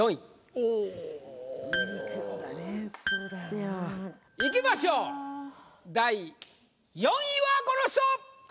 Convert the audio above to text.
・おぉ・いきましょう第４位はこの人！